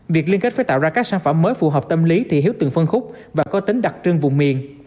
việc liên kết phải tạo ra các sản phẩm mới phù hợp tâm lý thị hiếu từng phân khúc và có tính đặc trưng vùng miền